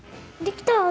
できた！